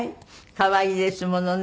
可愛いですよね。